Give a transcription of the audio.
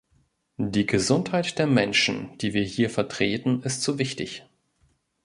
Die Gesundheit der Menschen, die wir hier vertreten, ist zu wichtig.